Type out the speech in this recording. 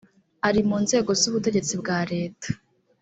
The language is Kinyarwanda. ari mu nzego z’ubutegetsi bwa leta